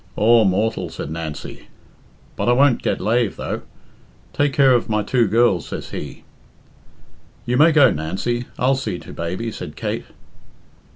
"Aw, mortal," said Nancy. "But I won't get lave, though. 'Take care of my two girls,' says he " "You may go, Nancy; I'll see to baby," said Kate.